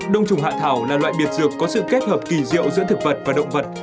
đông trùng hạ thảo là loại biệt dược có sự kết hợp kỳ diệu giữa thực vật và động vật